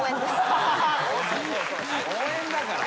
応援だから。